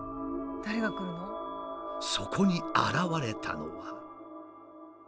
そこに現れたのは。